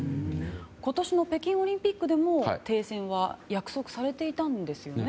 今年の北京オリンピックでも停戦は約束されていたんですよね？